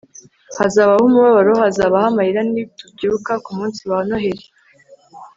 hazabaho umubabaro hazabaho amarira nitubyuka kumunsi wa noheri